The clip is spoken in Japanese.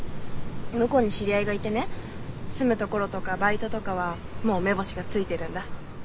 向こうに知り合いがいてね住む所とかバイトとかはもう目星がついてるんだ。